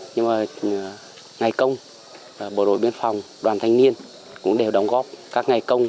nhưng mà ngày công bộ đội biên phòng đoàn thanh niên cũng đều đóng góp các ngày công